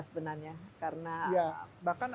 sebenarnya karena ya bahkan